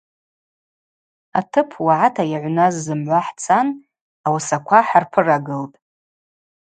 Атып уагӏата йыгӏвназ зымгӏва хӏцан ауасаква хӏырпырагылтӏ.